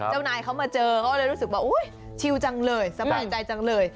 เจ้านายเขามาเจอเขาเลยรู้สึกว่าชิลจังเลยสบายใจจังเลย